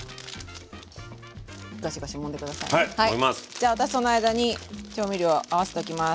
じゃあ私その間に調味料合わせておきます。